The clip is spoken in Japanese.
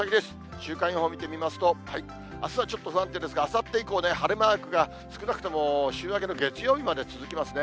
週間予報を見てみますと、あすはちょっと不安定ですが、あさって以降、晴れマークが少なくとも週明けの月曜日まで続きますね。